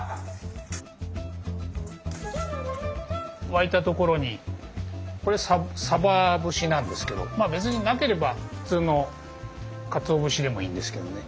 沸いたところにこれさば節なんですけどまあ別になければ普通のかつお節でもいいんですけどね。